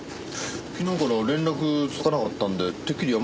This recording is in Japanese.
昨日から連絡つかなかったんでてっきり山にいるのかと。